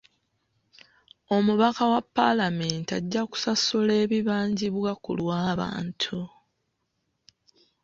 Omubaka wa paalamenti ajja kusasula ebibanjibwa ku lw'abantu.